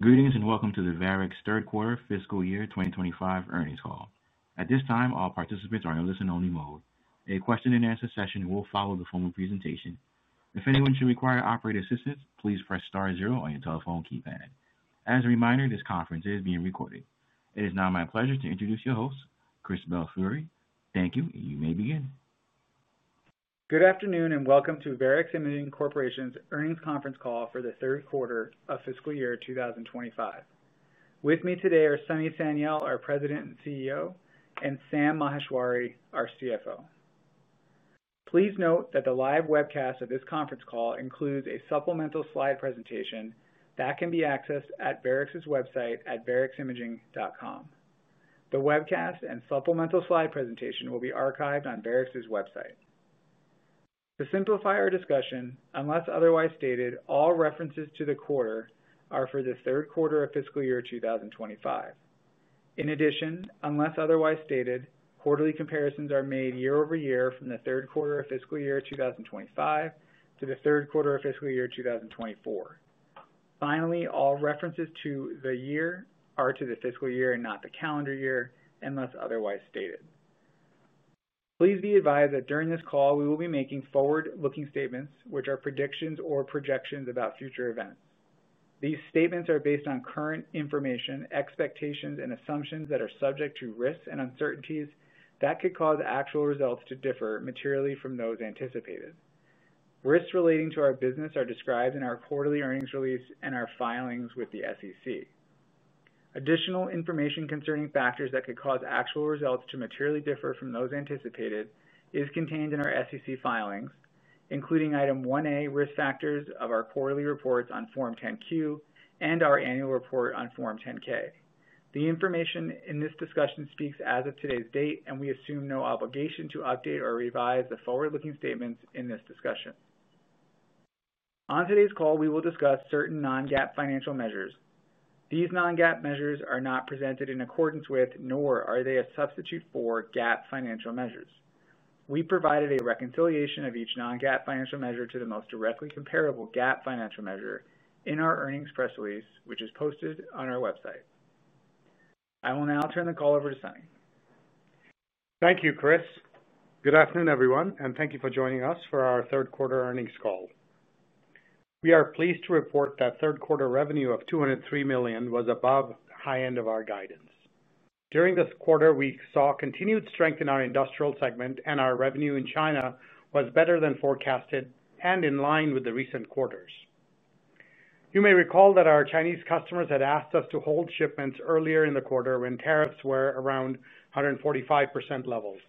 Greetings and welcome to the Varex Imaging Corporation's Third Quarter Fiscal Year 2025 earnings call. At this time, all participants are in listen-only mode. A question and answer session will follow the formal presentation. If anyone should require operating assistance, please press star zero on your telephone keypad. As a reminder, this conference is being recorded. It is now my pleasure to introduce your host, Christopher Belfiore. Thank you. You may begin. Good afternoon and welcome to Varex Imaging Corporation's earnings conference call for the third quarter of fiscal year 2025. With me today are Sunny Sanyal, our President and CEO, and Sam Maheshwari, our CFO. Please note that the live webcast of this conference call includes a supplemental slide presentation that can be accessed at Varex's website at vareximaging.com. The webcast and supplemental slide presentation will be archived on Varex's website. To simplify our discussion, unless otherwise stated, all references to the quarter are for the third quarter of fiscal year 2025. In addition, unless otherwise stated, quarterly comparisons are made year over year from the third quarter of fiscal year 2025 to the third quarter of fiscal year 2024. Finally, all references to the year are to the fiscal year and not the calendar year unless otherwise stated. Please be advised that during this call we will be making forward-looking statements which are predictions or projections about future events. These statements are based on current information, expectations, and assumptions that are subject to risks and uncertainties that could cause actual results to differ materially from those anticipated. Risks relating to our business are described in our quarterly earnings release and our filings with the SEC. Additional information concerning factors that could cause actual results to materially differ from those anticipated is contained in our SEC filings including Item 1A, risk factors of our quarterly reports on Form 10-Q and our annual report on Form 10-K. The information in this discussion speaks as of today's date and we assume no obligation to update or revise the forward-looking statements in this discussion. On today's call we will discuss certain non-GAAP financial measures. These non-GAAP measures are not presented in accordance with nor are they a substitute for GAAP financial measures. We provided a reconciliation of each non-GAAP financial measure to the most directly comparable GAAP financial measure in our earnings press release which is posted on our website. I will now turn the call over to Sunny. Thank you, Chris. Good afternoon everyone and thank you for joining us for our third quarter earnings call. We are pleased to report that third quarter revenue of $203 million was above the high end of our guidance. During this quarter, we saw continued strength in our industrial segment, and our revenue in China was better than forecasted and in line with the recent quarters. You may recall that our Chinese customers had asked us to hold shipments earlier in the quarter when tariffs were around 145% levels.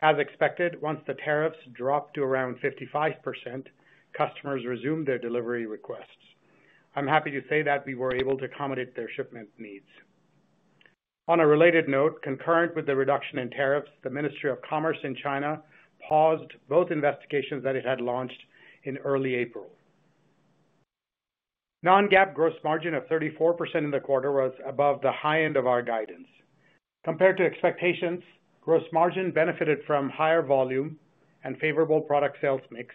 As expected, once the tariffs dropped to around 55%, customers resumed their delivery requests. I'm happy to say that we were able to accommodate their shipment needs. On a related note, concurrent with the reduction in tariffs, the Ministry of Commerce in China paused both investigations that it had launched in early April. Non-GAAP gross margin of 34% in the quarter was above the high end of our guidance compared to expectations. Gross margin benefited from higher volume and favorable product sales mix,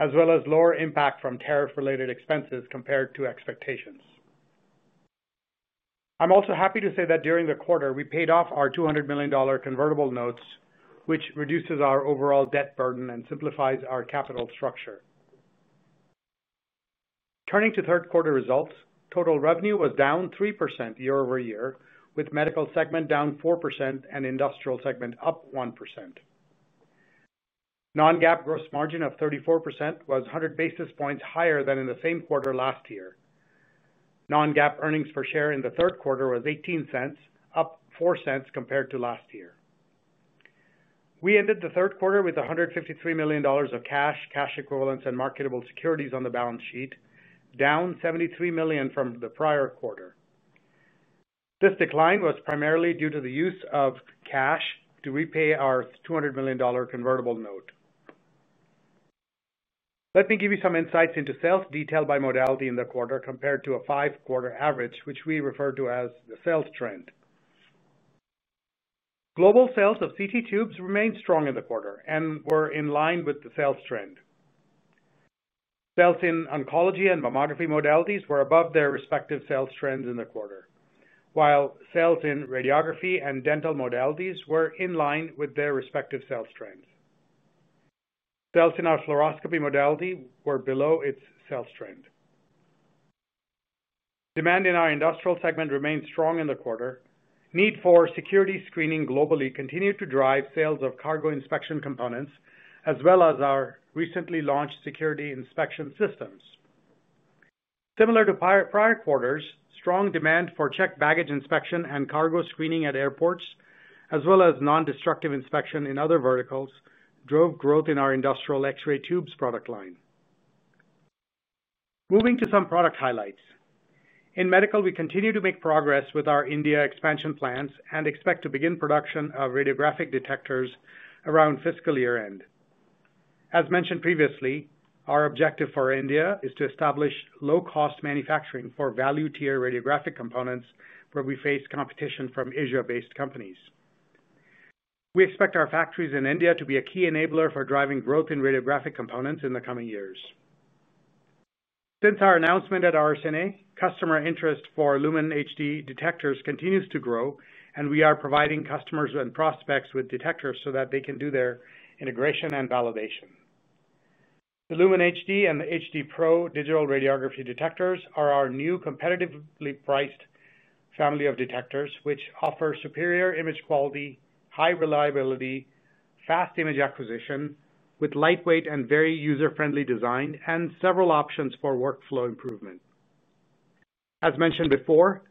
as well as lower impact from tariff-related expenses compared to expectations. I'm also happy to say that during the quarter we paid off our $200 million convertible notes, which reduces our overall debt burden and simplifies our capital structure. Turning to third quarter results, total revenue was down 3% year over year, with medical segment down 4% and industrial segment up 1%. Non-GAAP gross margin of 34% was 100 basis points higher than in the same quarter last year. Non-GAAP earnings per share in the third quarter was $0.18, up $0.04 compared to last year. We ended the third quarter with $153 million of cash, cash equivalents, and marketable securities on the balance sheet, down $73 million from the prior quarter. This decline was primarily due to the use of cash to repay our $200 million convertible note. Let me give you some insights into sales detail by modality in the quarter compared to a five-quarter average, which we refer to as the sales trend. Global sales of CT tubes remained strong in the quarter and were in line with the sales trend. Sales in oncology and mammography modalities were above their respective sales trends in the quarter, while sales in radiography and dental modalities were in line with their respective sales trends. Sales in our fluoroscopy modality were below its sales trend. Demand in our industrial segment remained strong in the quarter. Need for security screening globally continued to drive sales of cargo inspection components as well as our recently launched security inspection systems. Similar to prior quarters, strong demand for checked baggage inspection and cargo screening at airports as well as non-destructive inspection in other verticals drove growth in our industrial X-ray tubes product line. Moving to some product highlights in medical, we continue to make progress with our India expansion plans and expect to begin production of radiographic detectors around fiscal year end. As mentioned previously, our objective for India is to establish low-cost manufacturing for value tier radiographic components where we face competition from Asia-based companies. We expect our factories in India to be a key enabler for driving growth in radiographic components in the coming years. Since our announcement at RSNA, customer interest for LUMEN HD Digital Radiography detectors continues to grow and we are providing customers and prospects with detectors so that they can do their integration and validation. The LUMEN HD Digital Radiography detector and the HD Pro Digital Radiography detector are our new competitively priced family of detectors which offer superior image quality, high reliability, fast image acquisition with lightweight and very user-friendly design and several options for workflow improvement. As mentioned before,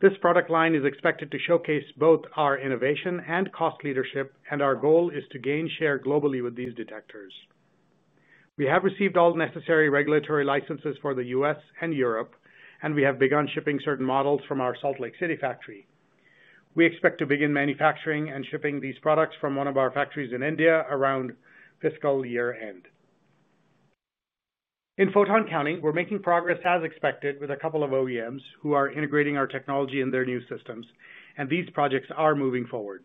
this product line is expected to showcase both our innovation and cost leadership and our goal is to gain share globally with these detectors. We have received all necessary regulatory licenses for the U.S. and Europe and we have begun shipping certain models from our Salt Lake City factory. We expect to begin manufacturing and shipping these products from one of our factories in India around fiscal year end. In photon counting, we're making progress as expected with a couple of OEMs who are integrating our technology in their new systems and these projects are moving forward.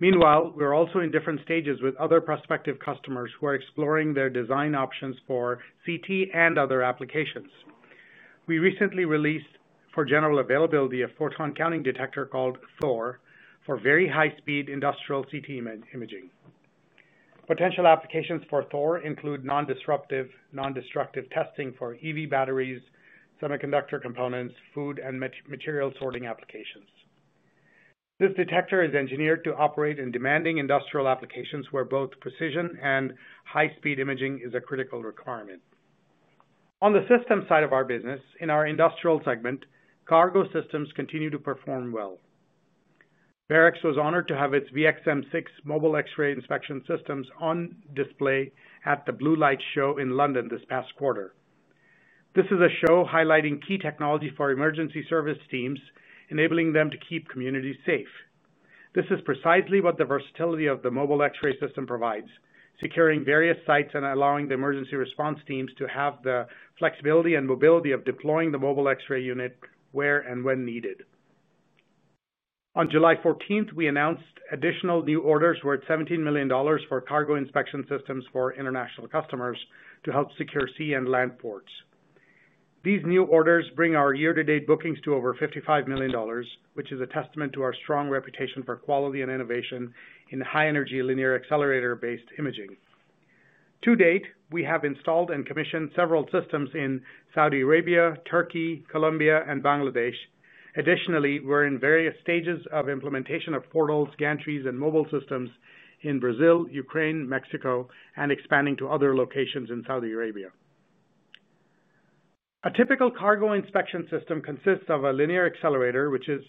Meanwhile, we're also in different stages with other prospective customers who are exploring their design options for CT and other applications. We recently released for general availability a photon counting detector called THOR for very high-speed industrial CT imaging. Potential applications for THOR include non-disruptive, non-destructive testing for EV batteries, semiconductor components, food and material sorting applications. This detector is engineered to operate in demanding industrial applications where both precision and high-speed imaging is a critical requirement. On the system side of our business, in our industrial segment, cargo systems continue to perform well. Varex Imaging Corporation was honored to have its VXM-6 mobile X-ray inspection systems on display at the Blue Light show in London this past quarter. This is a show highlighting key technology for emergency service teams, enabling them to keep communities safe. This is precisely what the versatility of the mobile X-ray system provides, securing various sites and allowing the emergency response teams to have the flexibility and mobility of deploying the mobile X-ray unit where and when needed. On July 14, we announced additional new orders worth $17 million for cargo inspection systems for international customers to help secure sea and land ports. These new orders bring our year-to-date bookings to over $55 million, which is a testament to our strong reputation for quality and innovation in high-energy linear accelerator-based imaging. To date, we have installed and commissioned several systems in Saudi Arabia, Turkey, Colombia, and Bangladesh. Additionally, we're in various stages of implementation of portals, gantries, and mobile systems in Brazil, Ukraine, Mexico, and expanding to other locations in Saudi Arabia. A typical cargo inspection system consists of a linear accelerator, which is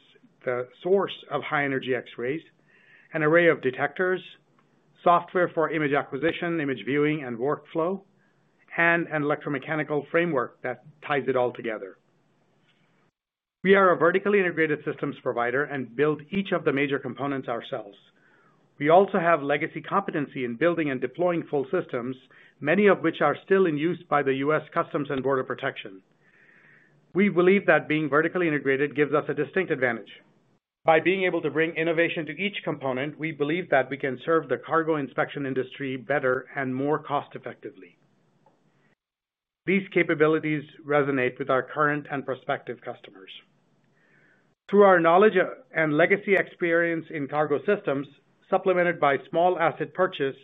the source of high-energy X-rays, an array of detectors, software for image acquisition, image viewing and workflow, and an electromechanical framework that ties it all together. We are a vertically integrated systems provider and build each of the major components ourselves. We also have legacy competency in building and deploying full systems, many of which are still in use by the U.S. Customs and Border Protection. We believe that being vertically integrated gives us a distinct advantage by being able to bring innovation to each component. We believe that we can serve the cargo inspection industry better and more cost effectively. These capabilities resonate with our current and prospective customers through our knowledge and legacy experience in cargo systems, supplemented by small asset purchase.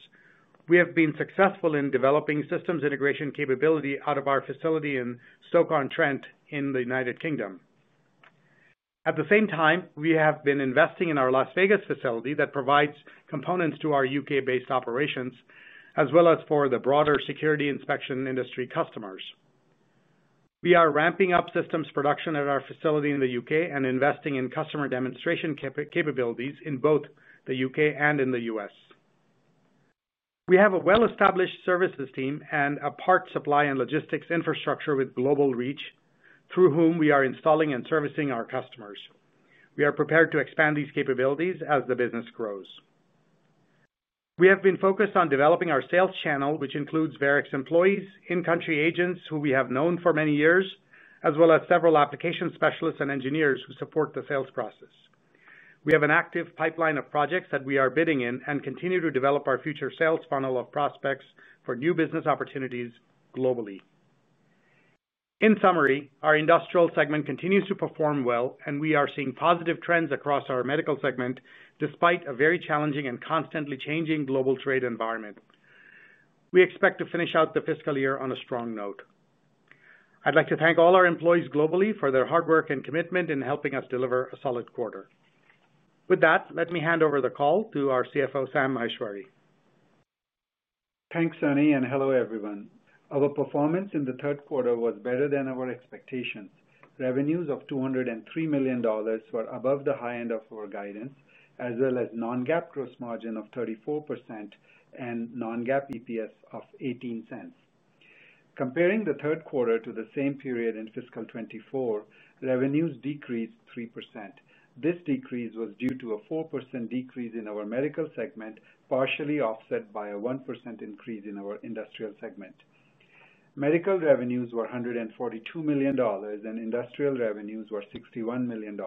We have been successful in developing systems integration capability out of our facility in Stoke-on-Trent in the United Kingdom. At the same time, we have been investing in our Las Vegas facility that provides components to our UK-based operations as well as for the broader security inspection industry customers. We are ramping up systems production at our facility in the UK and investing in customer demonstration capabilities in both the UK and in the U.S. We have a well-established services team and a parts supply and logistics infrastructure with global reach through whom we are installing and servicing our customers. We are prepared to expand these capabilities as the business grows. We have been focused on developing our sales channel, which includes Varex employees in country, agents who we have known for many years, as well as several application specialists and engineers who support the sales process. We have an active pipeline of projects that we are bidding in and continue to develop our future sales funnel of prospects for new business opportunities globally. In summary, our industrial segment continues to perform well, and we are seeing positive trends across our medical segment. Despite a very challenging and constantly changing global trade environment, we expect to finish out the fiscal year on a strong note. I'd like to thank all our employees globally for their hard work and commitment in helping us deliver a solid quarter. With that, let me hand over the call to our CFO, Sam Maheshwari. Thanks Sunny and hello everyone. Our performance in the third quarter was better than our expectations. Revenues of $203 million were above the high end of our guidance as well as non-GAAP gross margin of 34% and non-GAAP EPS of $0.18. Comparing the third quarter to the same period in fiscal 2024, revenues decreased 3%. This decrease was due to a 4% decrease in our medical segment, partially offset by a 1% increase in our industrial segment. Medical revenues were $142 million and industrial revenues were $61 million.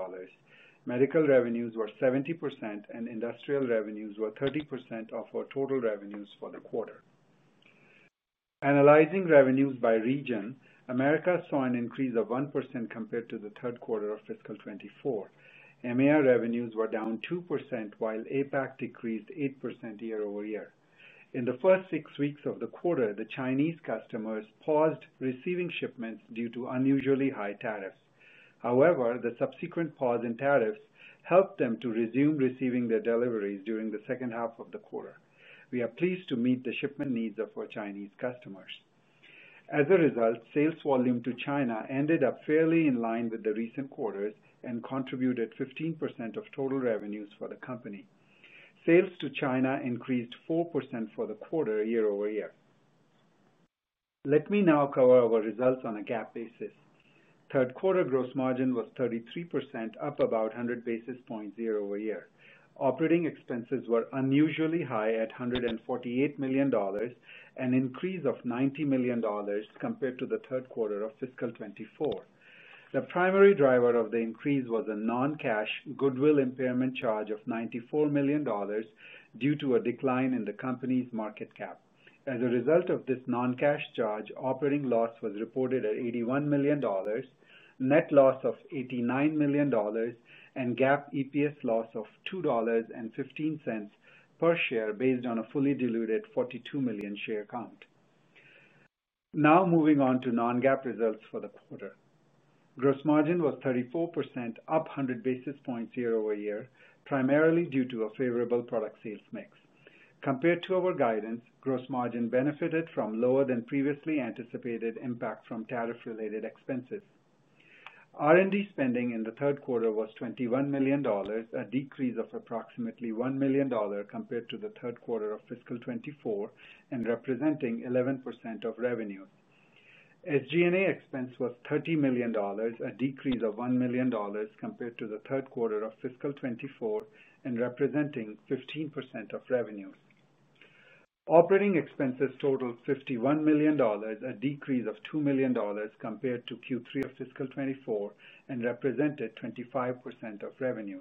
Medical revenues were 70% and industrial revenues were 30% of our total revenues for the quarter. Analyzing revenues by region, America saw an increase of 1% compared to the third quarter of fiscal 2024. Revenues were down 2% while APAC decreased 8% year over year. In the first six weeks of the quarter, the Chinese customers paused receiving shipments due to unusually high tariffs. However, the subsequent pause in tariffs helped them to resume receiving their deliveries during the second half of the quarter. We are pleased to meet the shipment needs of our Chinese customers. As a result, sales volume to China ended up fairly in line with the recent quarters and contributed 15% of total revenues for the company. Sales to China increased 4% for the quarter year over year. Let me now cover our results on a GAAP basis. Third quarter gross margin was 33%, up about 100 basis points year over year. Operating expenses were unusually high at $148 million, an increase of $90 million compared to 3Q24. The primary driver of the increase was a non-cash goodwill impairment charge of $94 million due to a decline in the company's market cap. As a result of this non-cash charge, operating loss was reported at $81 million, net loss of $89 million and GAAP EPS loss of $2.15 per share based on a fully diluted 42 million share count. Now moving on to non-GAAP results for the quarter. Gross margin was 34%, up 100 basis points year over year primarily due to a favorable product sales mix compared to our guidance. Gross margin benefited from lower than previously anticipated impact from tariff-related expenses. R&D spending in the third quarter was $21 million, a decrease of approximately $1 million compared to the third quarter of fiscal 2024 and representing 11% of revenue. SG&A expense was $30 million, a decrease of $1 million compared to the third quarter of fiscal 2024 and representing 15% of revenues. Operating expenses totaled $51 million, a decrease of $2 million compared to Q3 of fiscal 2024 and represented 25% of revenue.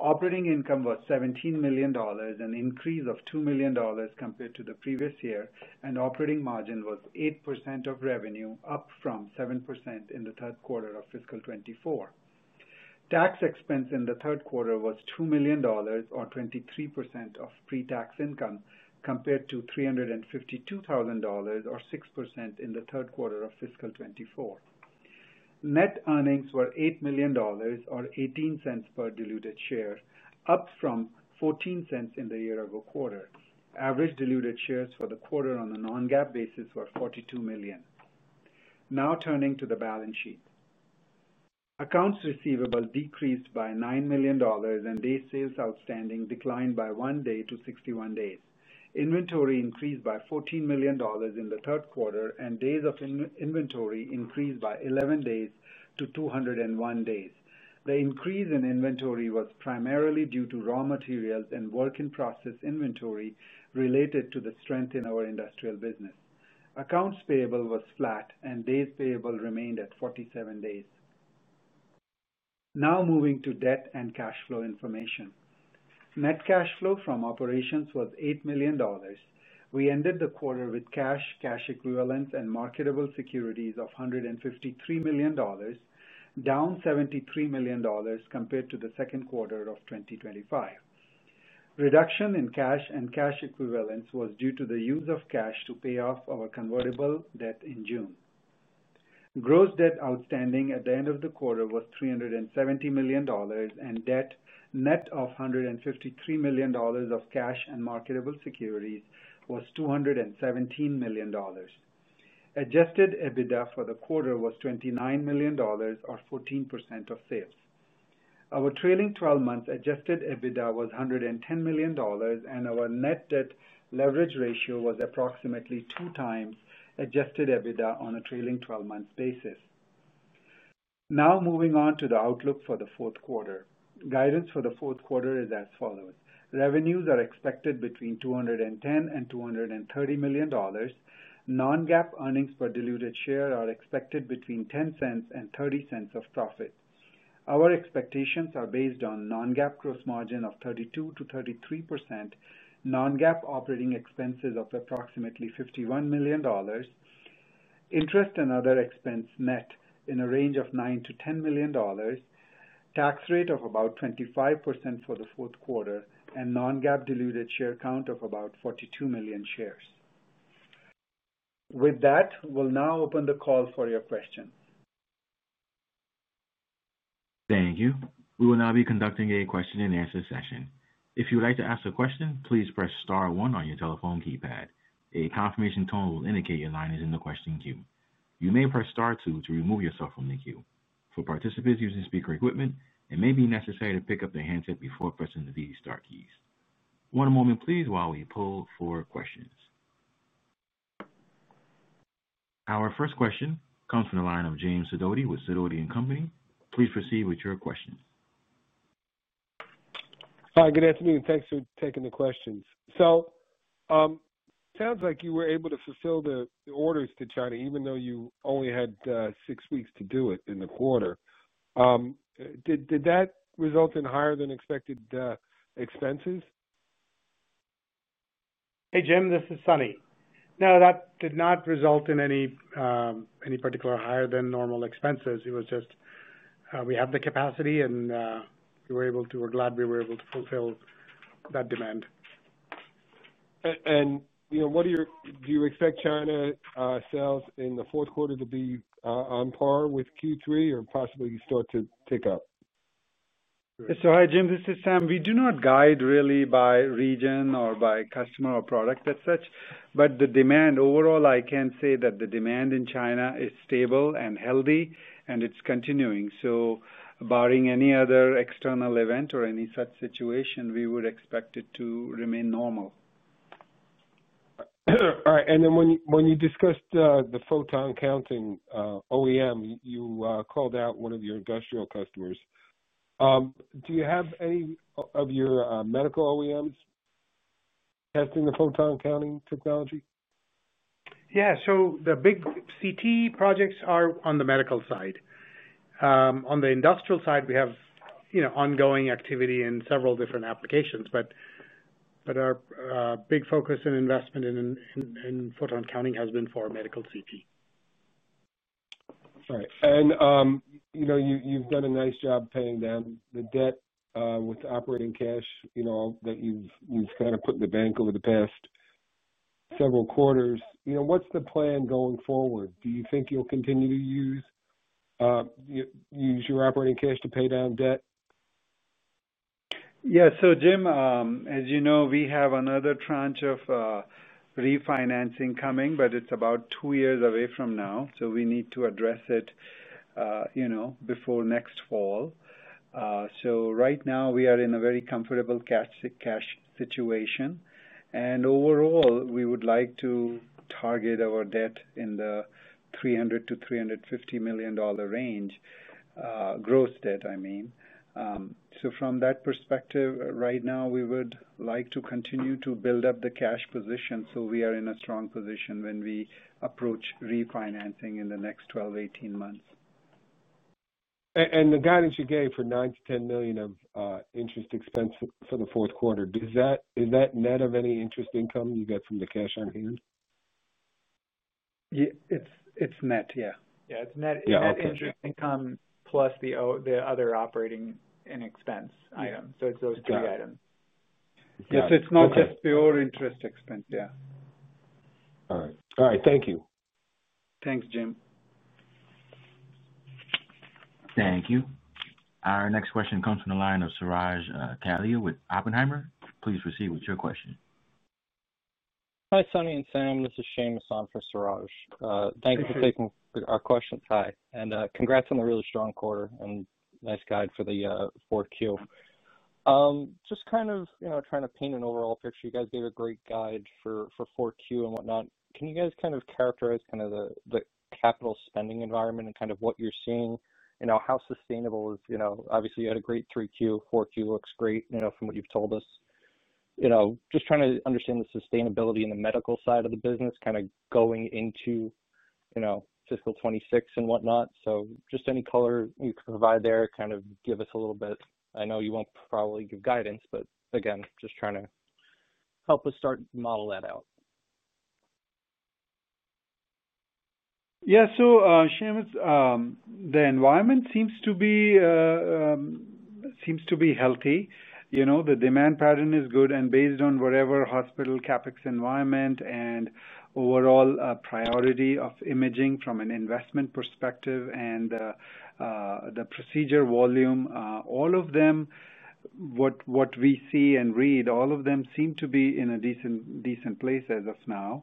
Operating income was $17 million, an increase of $2 million compared to the previous year, and operating margin was 8% of revenue, up from 7% in the third quarter of fiscal 2024. Tax expense in the third quarter was $2 million or 23% of pre-tax income compared to $352,000 or 6% in the third quarter of fiscal 2024. Net earnings were $8 million or $0.18 per diluted share, up from $0.14 in the year-ago quarter. Average diluted shares for the quarter on a non-GAAP basis were 42 million. Now turning to the balance sheet, accounts receivable decreased by $9 million and days sales outstanding declined by one day to 61 days. Inventory increased by $14 million in the third quarter and days of inventory increased by 11 days to 201 days. The increase in inventory was primarily due to raw materials and work in process inventory related to the strength in our industrial business. Accounts payable was flat and days payable remained at 47 days. Now moving to debt and cash flow information, net cash flow from operations was $8 million. We ended the quarter with cash, cash equivalents, and marketable securities of $153 million, down $73 million compared to the second quarter of 2025. Reduction in cash and cash equivalents was due to the use of cash to pay off our convertible debt in June. Gross debt outstanding at the end of the quarter was $370 million and debt net of $153 million of cash and marketable securities was $217 million. Adjusted EBITDA for the quarter was $29 million or 14% of sales. Our trailing twelve months adjusted EBITDA was $110 million and our net debt leverage ratio was approximately two times adjusted EBITDA on a trailing basis. Now moving on to the outlook for the fourth quarter. Guidance for the fourth quarter is as follows. Revenues are expected between $210 million and $230 million. Non-GAAP earnings per diluted share are expected between $0.10 and $0.30 of profit. Our expectations are based on non-GAAP gross margin of 32%-33%, non-GAAP operating expenses of approximately $51 million, interest and other expense net in a range of $9 million to $10 million, tax rate of about 25% for the fourth quarter, and non-GAAP diluted share count of about 42 million shares. With that, we'll now open the call for your question. Thank you. We will now be conducting a question and answer session. If you would like to ask a question, please press Star one on your telephone keypad. A confirmation tone will indicate your line is in the question queue. You may press Star two to remove yourself from the queue. For participants using speaker equipment, it may be necessary to pick up the handset before pressing these star keys. One moment please, while we poll for questions. Our first question comes from the line of James Sidoti with Sidoti and Company. Please proceed with your question. Hi, good afternoon. Thanks for taking the questions. It sounds like you were able to. Fulfill the orders to China even though you only had six weeks to do it in the quarter. Did that result in higher than expected expenses? Hey, Jim, this is Sunny. No, that did not result in any particular higher than normal expenses. We have the capacity and we're glad we were able to fulfill that demand. Do you expect China sales in. The fourth quarter to be on par with Q3 or possibly start to tick up? Hi, Jim, this is Sam. We do not guide really by region or by customer or product as such, but the demand overall, I can say that the demand in China is stable and healthy and it's continuing. Barring any other external event or any such situation, we would expect it to remain normal. All right. When you discussed the photon. Counting OEM, you called out one of your industrial customers. Do you have any of your medical OEMs testing the photon counting technology? Yeah, the big CT projects are on the medical side. On the industrial side, we have ongoing activity in several different applications. Our big focus and investment in photon counting has been for medical CT. Right. You've done a nice. Job paying down the debt with operating cash, you know, that you've kind of put in the bank over the past several quarters. What's the plan going forward? Do you think you'll continue to use? Use your operating cash to pay down debt? Yes. Jim, as you know, we have another tranche of refinancing coming, but it's about two years away from now. We need to address it before next fall. Right now we are in a very comfortable cash situation. Overall, we would like to target our debt in the $300 to $350 million range, gross debt, I mean. From that perspective right now, we would like to continue to build up the cash position. We are in a strong position when we approach refinancing in the next 12 to 18 months. The guidance you gave for 9. To $10 million of interest expense for the fourth quarter, does that. Is that net of any interest income? You get from the cash on hand? Yeah, it's. It's net. Yeah, it's net interest income plus the other operating and expense item. It's those three items. Yes, it's not just pure interest expense. All right, thank you. Thanks, Jim. Thank you. Our next question comes from the line of Siraj Tolia with Oppenheimer. Please proceed with your question. Hi Sunny and Sam, this is Seamus on for Siraj. Thank you for taking our question today and congrats on the really strong quarter and nice guide for the fourth Q. Just kind of, you know, trying to paint an overall picture. You guys gave a great guide for 4Q and whatnot. Can you guys kind of characterize the capital spending environment and what you're seeing, how sustainable is it? Obviously you had a great 3Q. 4Q looks great from what you've told us. Just trying to understand the sustainability in the medical side of the business going into, you know, fiscal 2026 and whatnot. Any color you could provide there, kind of give us a little bit. I know you won't probably give guidance but again just trying to help us start to model that out. Yeah, the environment seems to be healthy. The demand pattern is good, and based on whatever hospital CapEx environment and overall priority of imaging from an investment perspective and the procedure volume, all of them, what we see and read, all of them seem to be in a decent place as of now.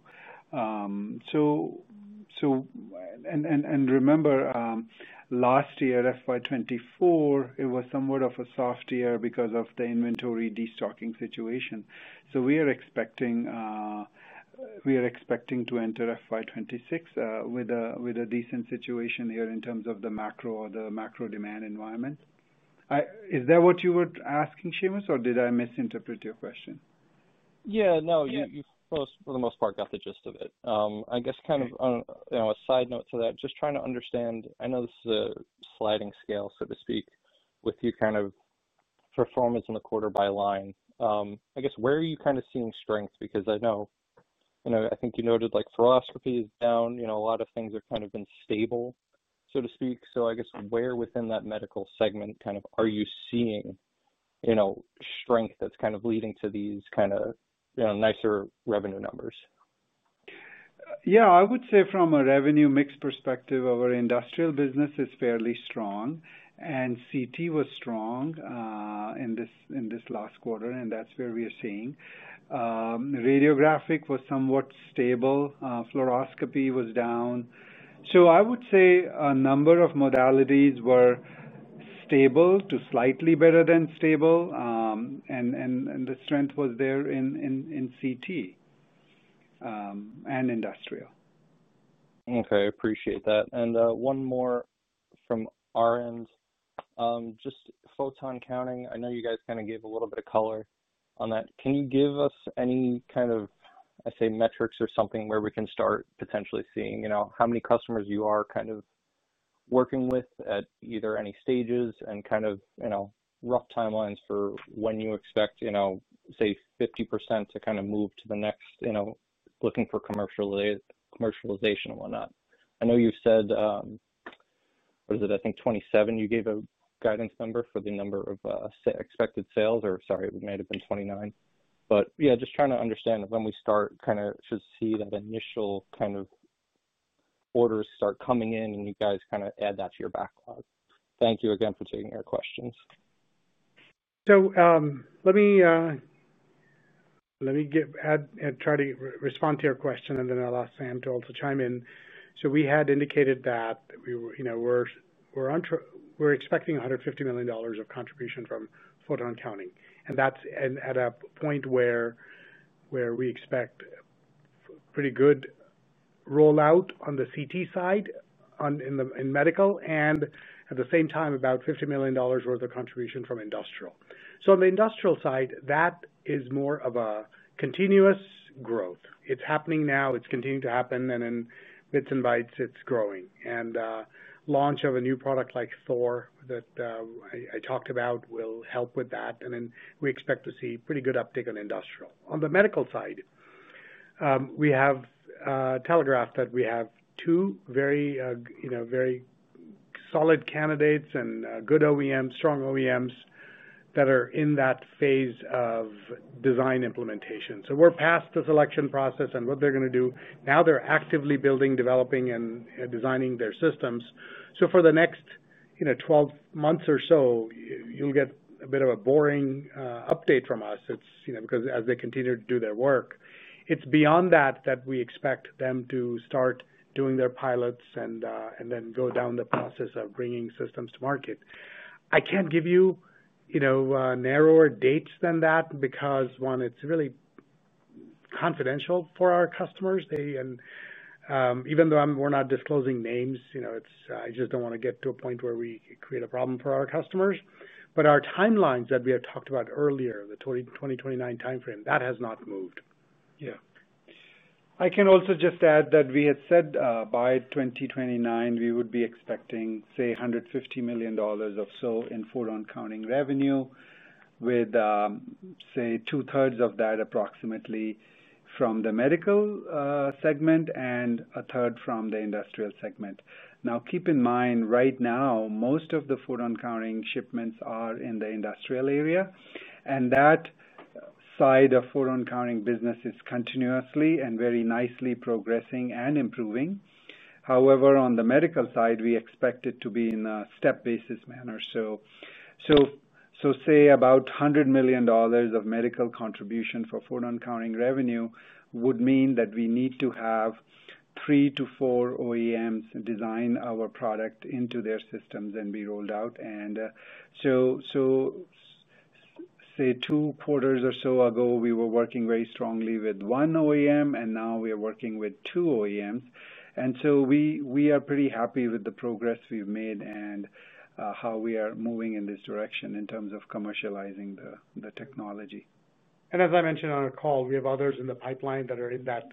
Remember last year, FY2024, it was somewhat of a soft year because of the inventory destocking situation. We are expecting to enter FY2026 with a decent situation here in terms of the macro or the macro demand environment. Is that what you were asking, Seamus, or did I misinterpret your question? Yeah, you both for the most part got the gist of it. I guess kind of on a side note to that, just trying to understand, I know this is a sliding scale so to speak with you kind of performance in the quarter by line. I guess, where are you kind of seeing strength? Because I know, I think you noted like fluoroscopy is down. A lot of things have kind of been stable so to speak. I guess where within that medical segment are you seeing strength that's kind of leading to these nicer revenue numbers? I would say from a revenue mix perspective our industrial business is fairly strong and CT was strong in this last quarter and that's where we are seeing. Radiographic was somewhat stable, fluoroscopy was down. I would say a number of modalities were stable to slightly better than stable and the strength was there in CT and industrial. Okay, I appreciate that. One more from our end, just photon counting, I know you guys kind of gave a little bit of color on that. Can you give us any kind of, I say metrics or something where we can start potentially seeing, you know, how many customers you are kind of working with at either, any stages and kind of, you know, rough timelines for when you expect, you know, say 50 to kind of move to the next, you know, looking for commercialization and whatnot. I know you said was it, I think 27, you gave a guidance number for the number of expected sales or, sorry, it might have been 29, but yeah, just trying to understand when we start to see that initial kind of orders start coming in and you guys kind of add that to your backlog. Thank you again for taking your questions. Let me try to respond to your question and then I'll ask Sam to also chime in. We had indicated that we're expecting $150 million of contribution from photon counting. That's at a point where we expect pretty good rollout on the CT side in medical and at the same time about $50 million worth of contribution from industrial. On the industrial side that is more of a continuous growth. It's happening now, it's continuing to happen and in bits and bytes it's growing and launch of a new product like THOR that I talked about will help with that. We expect to see pretty good uptick on industrial. On the medical side, we have telegraphed that we have two very solid candidates and good OEMs, strong OEMs that are in that phase of design implementation. We're past the selection process and what they're going to do now. They're actively building, developing and designing their systems. For the next 12 months or so you'll get a bit of a boring update from us because as they continue to do their work, it's beyond that that we expect them to start doing their pilots and then go down the process of bringing systems to market. I can't give you narrower dates than that because one, it's really confidential for our customers. Even though we're not disclosing names, I just don't want to get to a point where we create a problem for our customers. Our timelines that we have talked about earlier, the 2029 time frame, that has not moved. I can also just add that. We had said by 2029 we would be expecting, say, $150 million or so in photon counting revenue, with, say, two thirds of that approximately from the medical segment and a third from the industrial segment. Now, keep in mind, right now most of the photon counting shipments are in the industrial area, and that side of photon counting business is continuously and very nicely progressing and improving. However, on the medical side, we expect it to be in a step basis manner. Say about $100 million of medical contribution for photon counting revenue would mean that we need to have 3 to 4 OEMs design our product into their systems and be rolled out. About two quarters or so ago, we were working very strongly with one OEM, and now we are working with two OEMs. We are pretty happy with the progress we've made and how we are moving in this direction in terms of commercializing the technology. As I mentioned on our call, we have others in the pipeline that are in that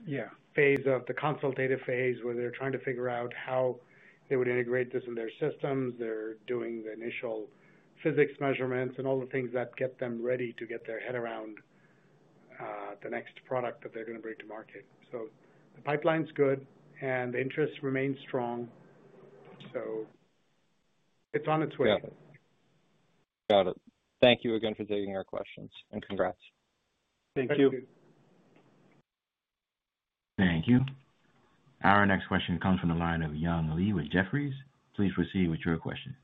phase of the consultative phase where they're trying to figure out how they would integrate this in their systems. They're doing the initial physics measurements and all the things that get them ready to get their head around the next product that they're going to bring to market. The pipeline's good and the interest remains strong. It's on its way. Got it. Thank you again for taking our questions and congrats. Thank you. Thank you. Our next question comes from the line of Young Li with Jefferies. Please proceed with your question.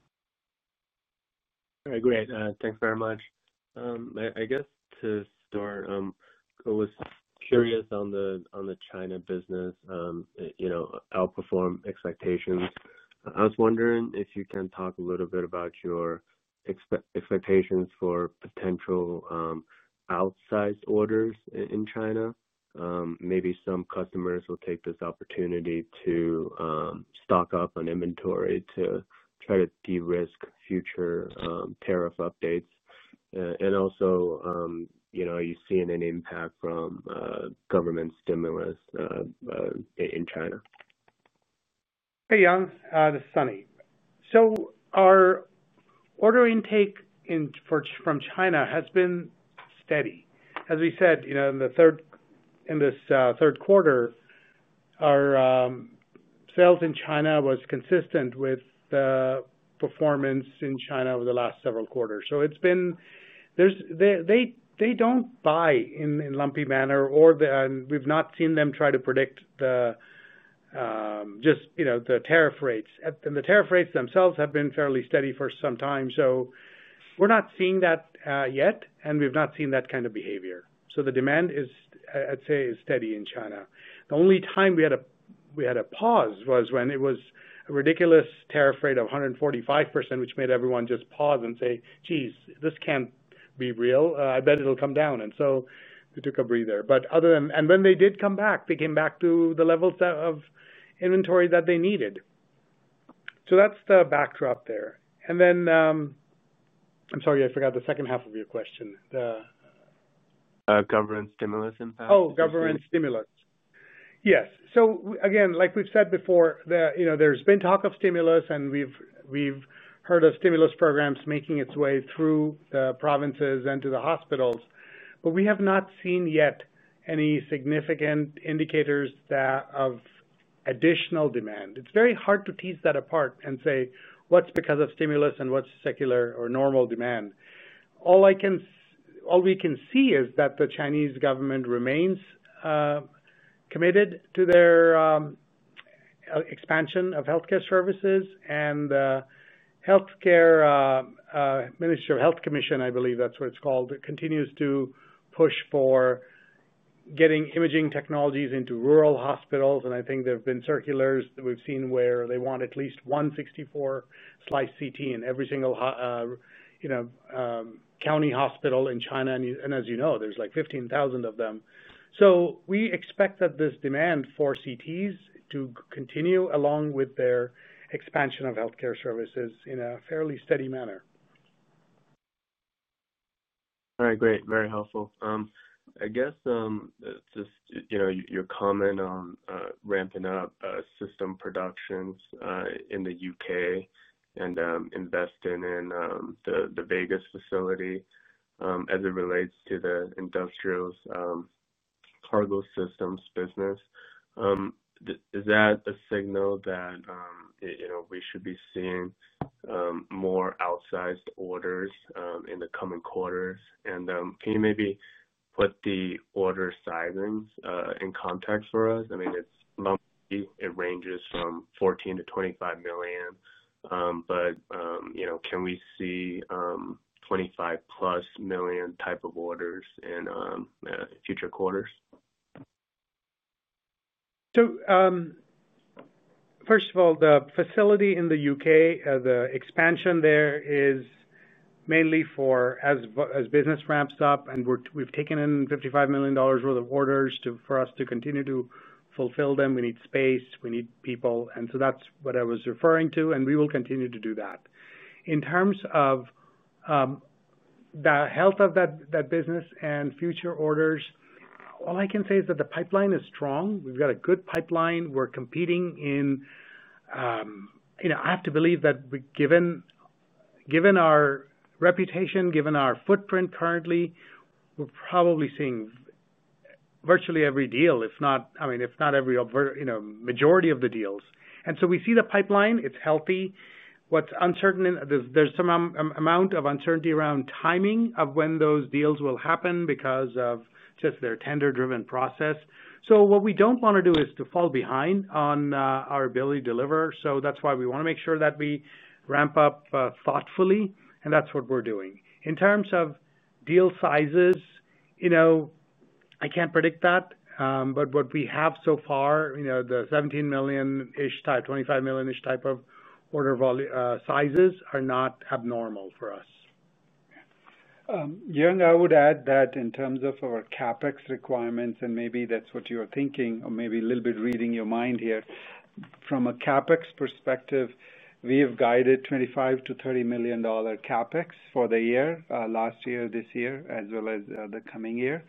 All right, great. Thanks very much. I guess to start, I was curious on the China business, you know, outperform expectations. I was wondering if you can talk a little bit about your expectations for potential outsized orders in China. Maybe some customers will take this opportunity to stock up on inventory to try to de-risk future tariff updates. Also, you know, are you seeing an impact from government stimulus in China? Hey Young, this is Sunny. Our order intake from China has been steady. As we said, in the third quarter our sales in China were consistent with the performance in China over the last several quarters. It's been, they don't buy in a lumpy manner or we've not seen them try to predict the tariff rates, and the tariff rates themselves have been fairly steady for some time. We're not seeing that yet and we've not seen that kind of behavior. The demand is, I'd say, steady in China. The only time we had a pause was when it was a ridiculous tariff rate of 145%, which made everyone just pause and say, geez, this can't be real. I bet it'll come down. We took a breather, and when they did come back, they came back to the level of inventory that they needed. That's the backdrop there. I'm sorry, I forgot the second half of your question. Governance. Stimulus. Impact. Oh, government stimulus, yes. Like we've said before, there's been talk of stimulus and we've heard of stimulus programs making its way through the provinces and to the hospitals, but we have not seen yet any significant indicators of additional demand. It's very hard to tease that apart and say what's because of stimulus and what's secular or normal demand. All we can see is that the Chinese government remains committed to their expansion of health care services. The Health Care Ministry of Health Commission, I believe that's what it's called, continues to push for getting imaging technologies into rural hospitals. I think there have been circulars that we've seen where they want at least one 64-slice CT in every single county hospital in China. As you know, there's like 15,000 of them. We expect that this demand for CTs to continue along with their expansion of health care services in a fairly steady manner. All right, great, very helpful. I guess just, you know, your comment on ramping up system productions in the UK and investing in the Vegas facility as it relates to the industrials cargo systems business, is that a signal that we should be seeing more outsized orders in the coming quarters, and can you maybe put the order sizings in context for us? I mean, it ranges from $14 million to $25 million, but, you know, can we see $25 million plus type of orders in future quarters? First of all, the facility in the UK, the expansion there is mainly for, as business ramps up and we've taken in $55 million worth of orders for us to continue to fulfill them. We need space, we need people, and that's what I was referring to and we will continue to do that. In terms of the health of that business and future orders, all I can say is that the pipeline is strong. We've got a good pipeline we're competing in. I have to believe that given our reputation, given our footprint, we're probably seeing virtually every deal, if not the majority of the deals. We see the pipeline, it's healthy. What's uncertain, there's some amount of uncertainty around timing of when those deals will happen because of just their tender-driven process. What we don't want to do is to fall behind on our ability to deliver. That's why we want to make sure that we ramp up thoughtfully and that's what we're doing. In terms of deal sizes, I can't predict that, but what we have so far, the $17 million-ish type, $25 million-ish type of order sizes are not abnormal for us. Young, I would add that in terms of our CapEx requirements, and maybe that's what you are thinking or maybe a little bit reading your mind here. From a CapEx perspective, we have guided $25 to $30 million CapEx for the year, this year, as well as the coming year.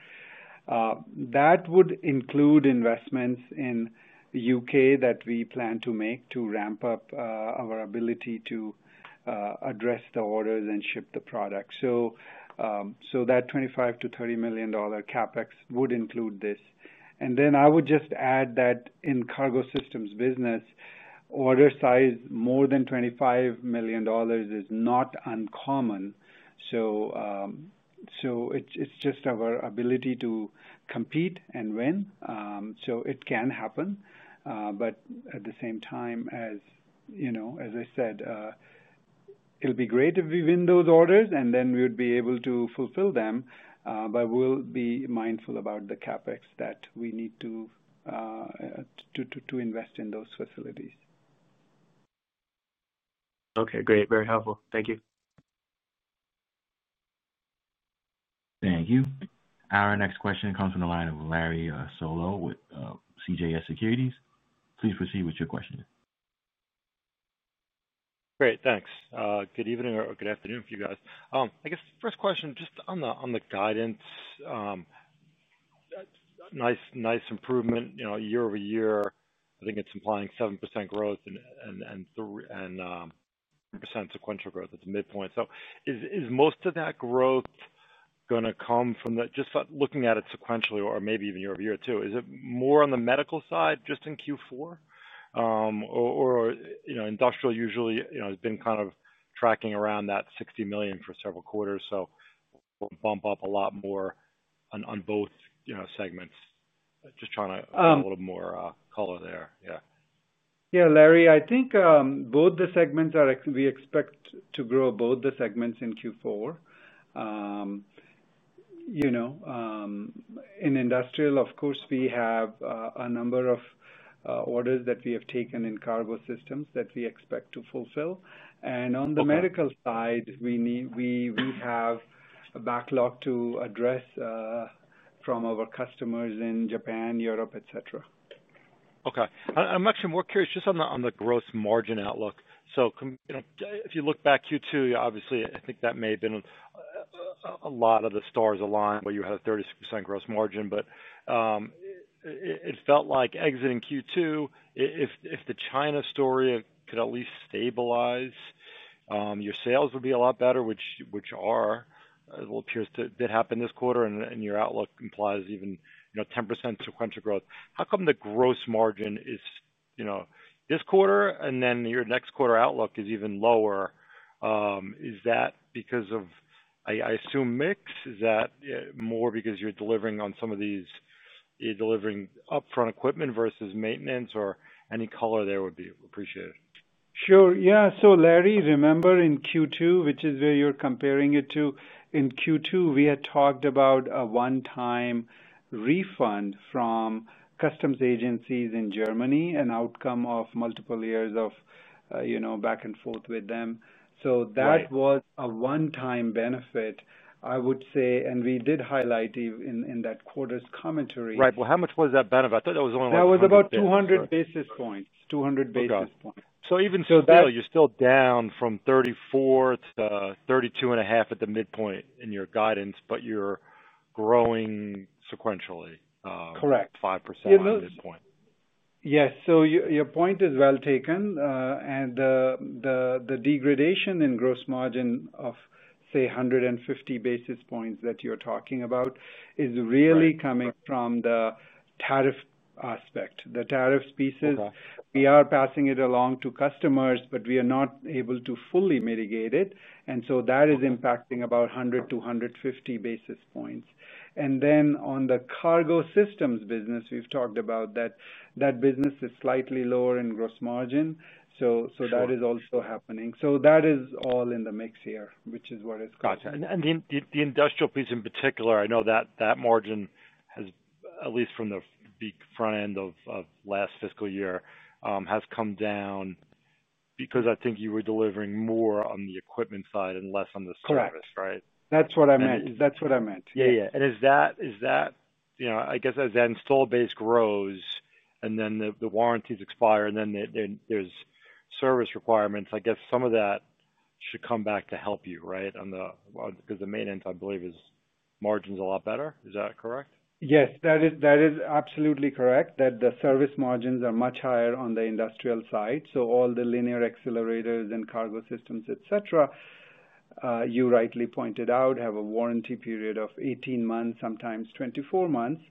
That would include investments in the UK that we plan to make to ramp up our ability to address the orders and ship the product. That $25 to $30 million CapEx would include this. I would just add that. In cargo systems business, order size more than $25 million is not uncommon. It's just our ability to compete and win. It can happen. At the same time, as you know, as I said, it'll be great if we win those orders and then we would be able to fulfill them, but we'll be mindful about the CapEx that we need to invest in those facilities. Okay, great. Very helpful. Thank you. Thank you. Our next question comes from the line of Larry Solow with CJS Securities. Please proceed with your question. Great, thanks. Good evening or good afternoon for you guys, I guess. First question just on the guidance. Nice, nice improvement, you know, year over year. I think it's implying 7% growth and sequential growth at the midpoint. Is most of that growth going to come from just looking at it sequentially or maybe even year over year too? Is it more on the medical side just in Q4 or industrial usually has been kind of tracking around that $60 million for several quarters. Will it bump up a lot more on both, you know, segments? Just trying to get a little more color there. Yeah, yeah, Larry, I think both the segments are. We expect to grow both the segments in Q4. In industrial, of course, we have a number of orders that we have taken in cargo systems that we expect to fulfill. On the medical side, we have backlog to address from our customers in Japan, Europe, etc. Okay. I'm actually more curious just on the gross margin outlook. If you look back Q2, obviously I think that may have been a lot of the stars aligned where you had a 36% gross margin, but it felt like exiting Q2, if the China story could at least stabilize, your sales would be a lot better, which appears to have happened this quarter and your outlook implies even 10% sequential growth. How come the gross margin is this quarter and then your next quarter outlook is even lower? Is that because of, I assume, mix? Is that more because you're delivering on some of these, delivering upfront equipment versus maintenance or any color there would be appreciated. Sure, yeah. Larry, remember in Q2, which is where you're comparing it to, in Q2 we had talked about a one-time refund from customs agencies in Germany, an outcome of multiple years of back and forth with them. That was a one-time benefit, I would say, and we did highlight in that quarter's commentary. Right. How much was that benefit? I thought that was only one. That was about 200 basis points, 200 basis points. You're still down from $34 million to $32.5 million at the midpoint in your guidance, but you're growing sequentially. Correct. 5% at this point. Yes. Your point is well taken. The degradation in gross margin of, say, 150 basis points that you're talking about is really coming from the tariff aspect. The tariffs pieces, we are passing it along to customers, but we are not able to fully mitigate it, so that is impacting about 100 to 150 basis points. On the cargo systems business, we've talked about that business being slightly lower in gross margin, so that is also happening. That is all in the mix. Here, which is what it's got. The industrial piece in particular, I know that margin has at least from the front end of last fiscal year come down because I think you were delivering more on the equipment side and less on the service. Right, correct. That's what I meant. That's what I meant. Yeah. Yeah. As that install base grows and then the warranties expire and then there's service requirements, some of that should come back to help you, right? Because the maintenance, I believe, is margins a lot better. Is that correct? Yes, that is absolutely correct that the service margins are much higher on the industrial side. All the linear accelerators and cargo systems, etc., you rightly pointed out, have a warranty period of 18 months, sometimes 24 months.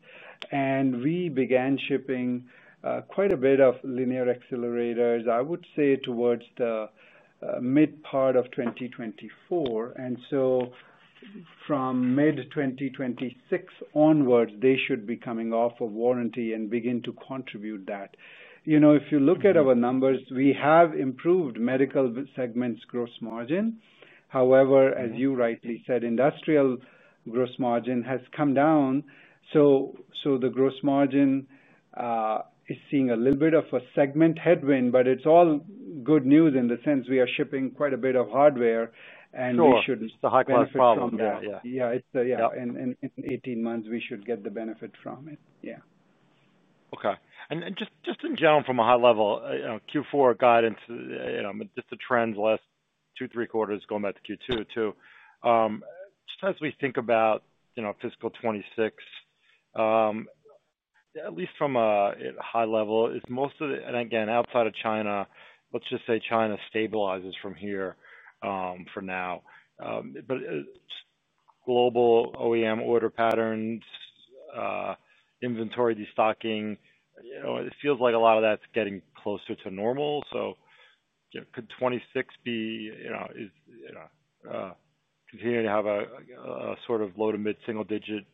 We began shipping quite a bit of linear accelerators I would say towards the mid part of 2024. From mid-2026 onwards they should be coming off of warranty and begin to contribute that. If you look at our numbers, we have improved medical segment's gross margin. However, as you rightly said, industrial gross margin has come down. The gross margin is seeing a little bit of a segment headwind. It's all good news in the. Since we are shipping quite a bit. Of hardware, and it's a high-class problem. In 18 months, we should get the benefit from it. Yeah. Okay. Just in general, from a high level Q4 guidance, just a trends list 2, 3/4 going back to Q2 too. Just as we think about fiscal 2026, at least from a high level. Again, outside of China, let's just say China stabilizes from here for now, but global OEM order patterns, inventory destocking, it feels like a lot of that's getting closer to normal. Could 2026 be. Continuing to have. A sort of low to mid single digit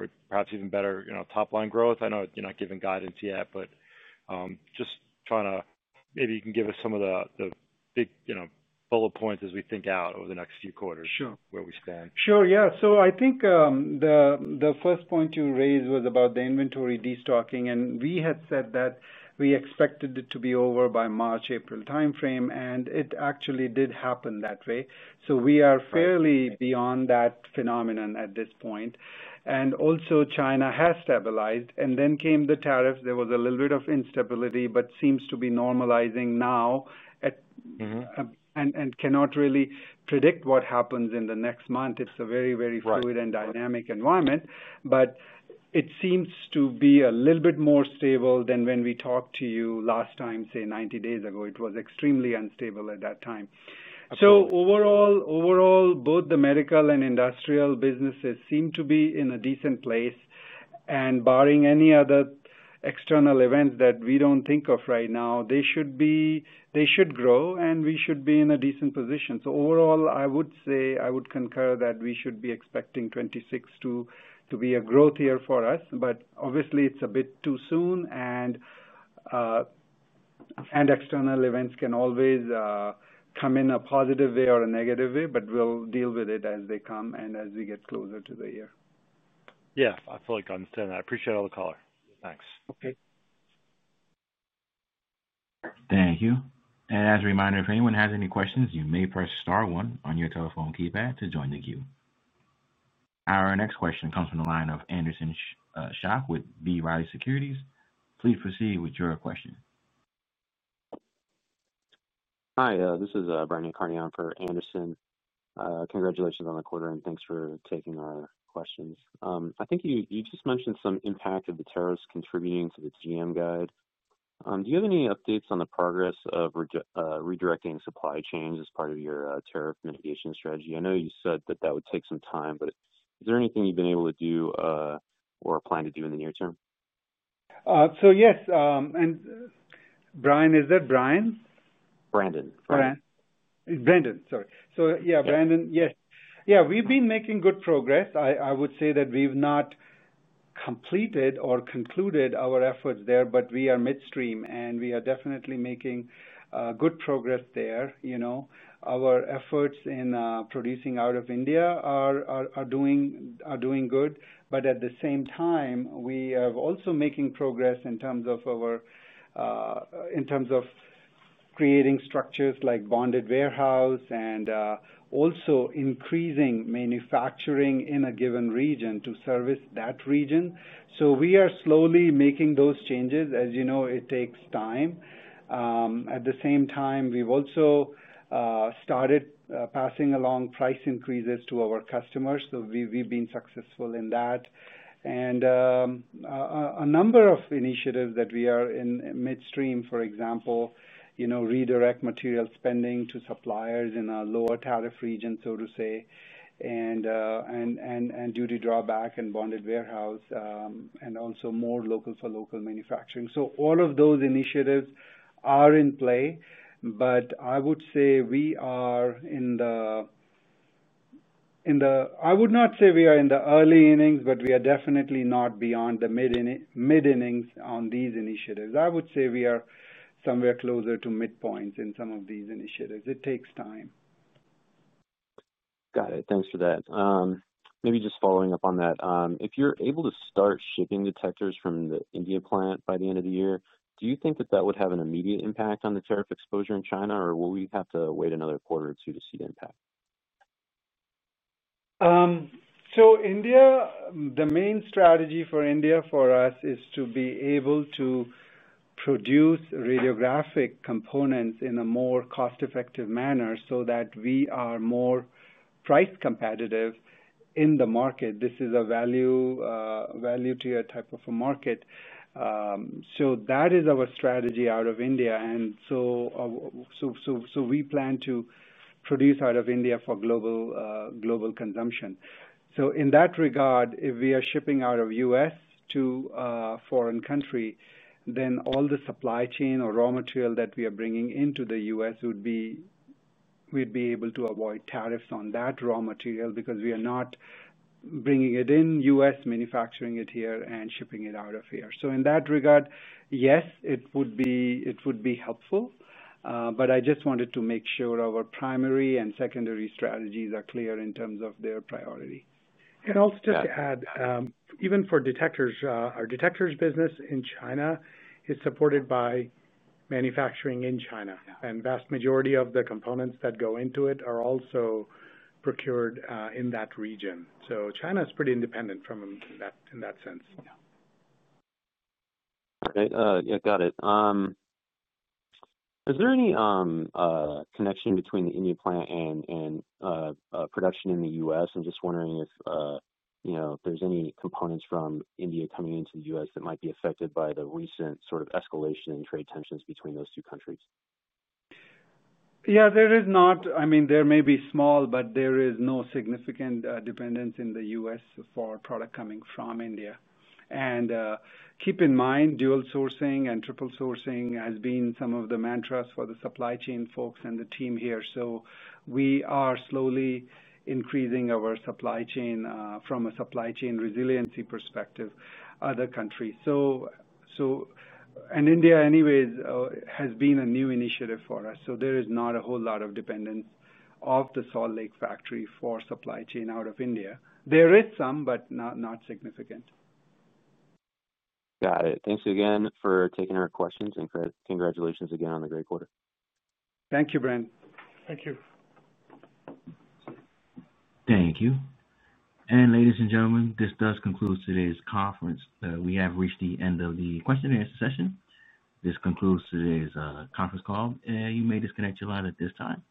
or perhaps even better top line growth? I know you're not giving guidance yet, but just trying to maybe you can give us some of the big bullet points as we think out over the next few quarters where we stand. Sure, yeah. I think the first point you raised was about the inventory destocking, and we had said that we expected it to be over by March, April time frame, and it actually did happen that way. We are fairly beyond that phenomenon at this point. Also, China has stabilized, and then came the tariffs. There was a little bit of instability, but seems to be normalizing now. And. Cannot really predict what happens in the next month. It's a very, very fluid and dynamic environment, but it seems to be a little bit more stable than when we talked to you last time, say 90 days ago. It was extremely unstable at that time. Overall, both the medical and industrial businesses seem to be in a decent place. Barring any other external events that we don't think of right now, they should grow and we should be in a decent position. Overall, I would say I would concur that we should be expecting 2026 to be a growth year for us, but obviously it's a bit too soon. And. External events can always come in a positive way or a negative way, but we'll deal with it as they come and as we get closer to the year. Yeah, I fully understand that. I appreciate all the color. Thanks. Okay. Thank you. As a reminder, if anyone has any questions, you may press Star one on your telephone keypad to join the queue. Our next question comes from the line of Anderson Shock with B. Riley Securities. Please proceed with your question. Hi, this is Brandon Carney on for Anderson. Congratulations on the quarter and thanks for taking our questions. I think you just mentioned some impact of the tariffs contributing to the GM guide. Do you have any updates on the progress of redirecting supply chains as part of your tariff mitigation strategy? I know you said that would take some time, but is there anything you've been able to do or plan to do in the near term? Yes. Brian, is that Brian? Brandon. Yes, we've been making good progress. I would say that we've not completed or concluded our efforts there, but we are midstream and we are definitely making good progress there. Our efforts in producing out of India are doing good. At the same time, we are also making progress in terms of creating structures like bonded warehouse and also increasing manufacturing in a given region to service that region. We are slowly making those changes. As you know, it takes time. At the same time, we've also started passing along price increases to our customers. We've been successful in that and a number of initiatives that we are in midstream. For example, redirect material spending to suppliers in a lower tariff region, so to say, and duty drawback and bonded warehouse and also more local for local manufacturing. All of those initiatives are in play, but I would say we are in the, I would not say we are in the early innings, but we are definitely not beyond the mid innings on these initiatives. I would say we are somewhere closer to midpoints in some of these initiatives. It takes time. Got it. Thanks for that. Maybe just following up on that, if you're able to start shipping detectors from the India plant by the end of the year, do you think that that would have an immediate impact on the tariff exposure in China, or will we have to wait another quarter or two to see impact? India, the main strategy for India, for us is to be able to produce radiographic components in a more cost-effective manner so that we are more price competitive in the market. This is a value tier type of a market. That is our strategy out of, and we plan to produce out of India for global consumption. In that regard, if we are shipping out of the U.S. to a foreign country, then all the supply chain or raw material that we are bringing into the U.S. we'd be able to avoid tariffs on that raw material because we are not bringing it in U.S., manufacturing it here, and shipping it out of here. In that regard, yes, it is. It would be helpful. I just wanted to make sure our primary and secondary strategies are clear in terms of their priority. Also, just to add, even for detectors, our detectors business in China is supported by manufacturing in China, and the vast majority of the components that go into it are also procured in that region. China's pretty independent from that in that sense. All right, got it. Is there any connection between the Indian plant and production in the U.S.? I'm just wondering if there's any components from India coming into the U.S. that might be affected by the recent sort of escalation in trade tensions between those two countries. Yeah, there is not. I mean, there may be small, but there is no significant dependence in the U.S. for product coming from India. Keep in mind, dual sourcing and triple sourcing has been some of the mantras for the supply chain folks and the team here. We are slowly increasing our supply chain from a supply chain resiliency perspective, other countries. India, anyways, has been a new initiative for us. There is not a whole lot of dependence of the Salt Lake factory for supply chain out of India. There is some, but not significant. Got it. Thanks again for taking our questions, and congratulations again on a great quarter. Thank you, Brent. Thank you. Thank you. Ladies and gentlemen, this does conclude today's conference. We have reached the end of the question and answer session. This concludes today's conference call. You may disconnect your line at this time.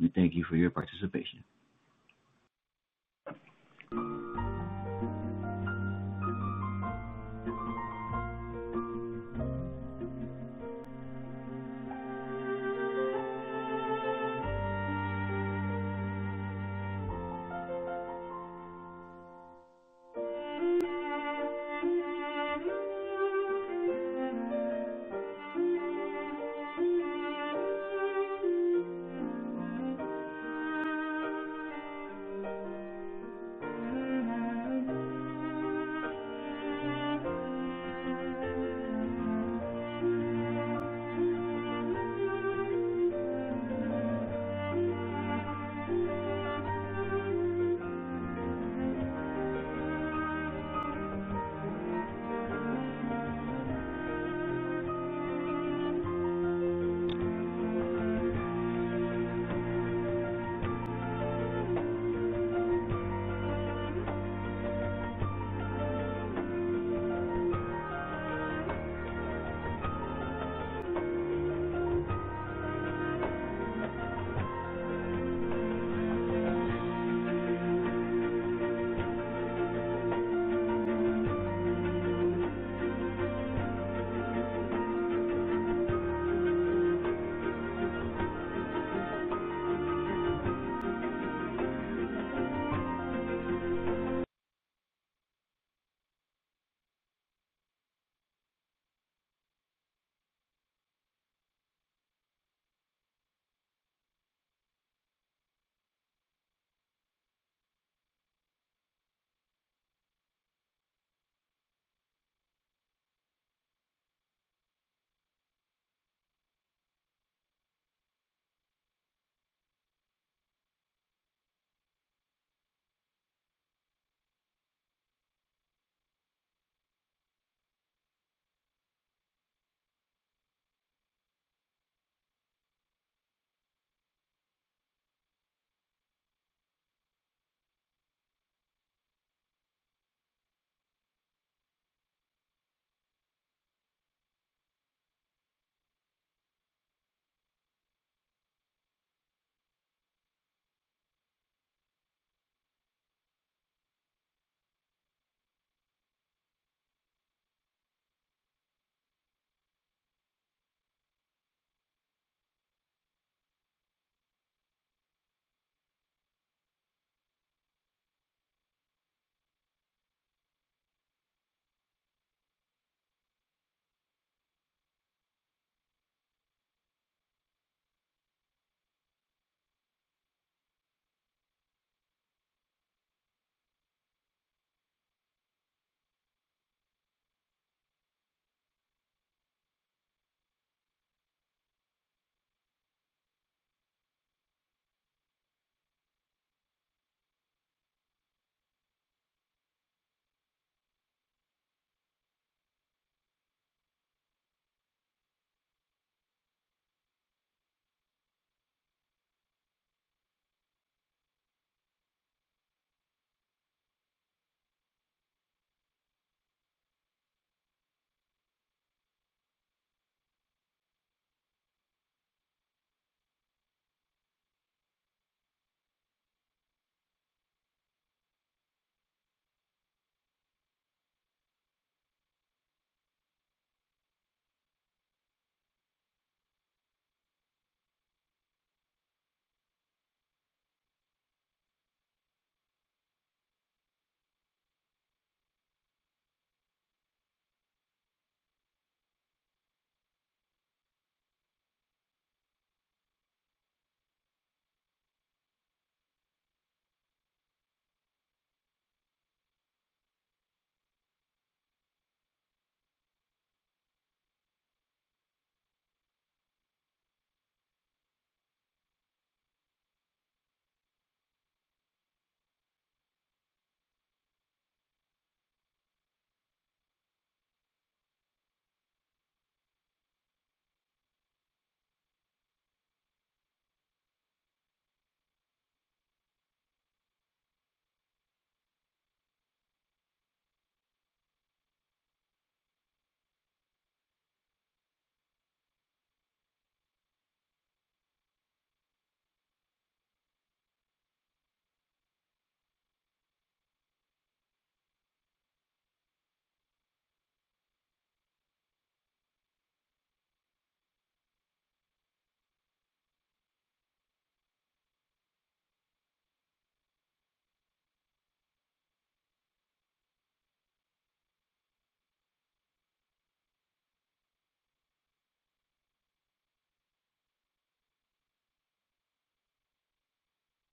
We thank you for your participation.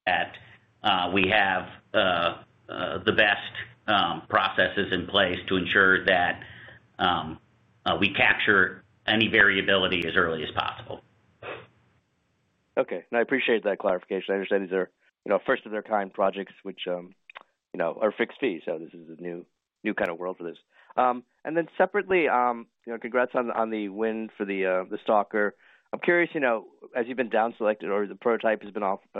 Sam, we have the best processes in place to ensure that we capture any variability as early as possible. I appreciate that clarification. I understand these are, you know, first of their kind projects which are fixed fees. This is a new kind of world for this. Separately, congrats on the win for the stalker. I'm curious, has you been down selected or the prototype has been off?